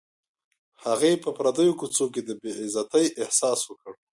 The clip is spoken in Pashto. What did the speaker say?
هغې په پردیو کوڅو کې د بې عزتۍ احساس وکړ